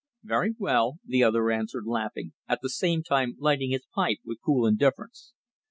"Very well," the other answered laughing, at the same time lighting his pipe with cool indifference.